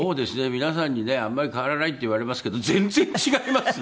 皆さんにねあんまり変わらないって言われますけど全然違いますね。